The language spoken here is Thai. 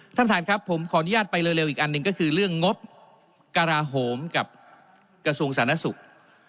ท่านประธานครับผมขออนุญาตไปเร็วอีกอันหนึ่งก็คือเรื่องงบกราโหมกับกระทรวงสาธารณสุข